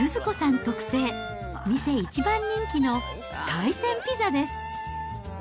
特製、店一番人気の海鮮ピザです。